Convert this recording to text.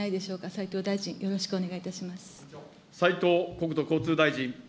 斉藤大臣、よろしくお願いいたします。